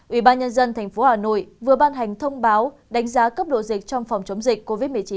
ubnd tp hà nội vừa ban hành thông báo đánh giá cấp độ dịch trong phòng chống dịch covid một mươi chín